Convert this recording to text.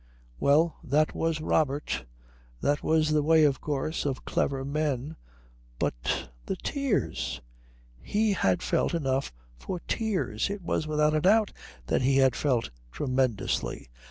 Well, that was Robert. That was the way, of course, of clever men. But the tears? He had felt enough for tears. It was without a doubt that he had felt tremendously.